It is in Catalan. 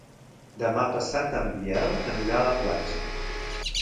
Demà passat en Biel anirà a la platja.